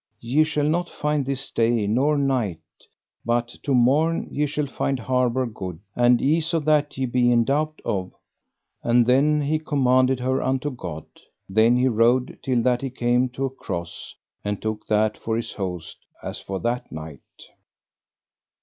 Ye shall not find this day nor night, but to morn ye shall find harbour good, and ease of that ye be in doubt of. And then he commended her unto God. Then he rode till that he came to a Cross, and took that for his host as for that night.